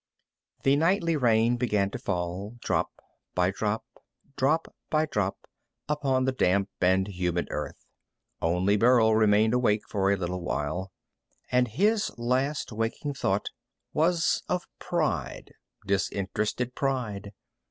The nightly rain began to fall, drop by drop, drop by drop, upon the damp and humid earth. Only Burl remained awake for a little while, and his last waking thought was of pride, disinterested pride.